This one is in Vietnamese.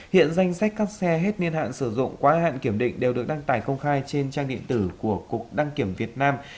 hiện danh sách các xe hết niên hạn sử dụng quá hạn kiểm định đều được đăng tải công khai trên trang điện tử của cục đăng kiểm việt nam